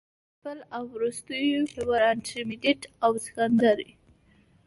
د پرنسپل او وروستو پيښورانټرميډيټ او سکنډري